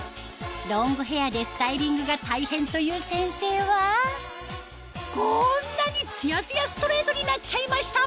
ロングヘアでスタイリングが大変という先生はこんなにツヤツヤストレートになっちゃいました！